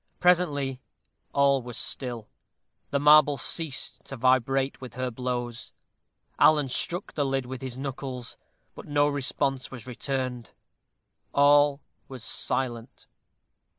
Presently all was still; the marble ceased to vibrate with her blows. Alan struck the lid with his knuckles, but no response was returned. All was silent.